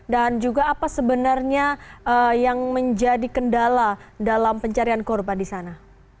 dan juga apa sebenarnya yang menjadi kendala dalam pencarian korban di sana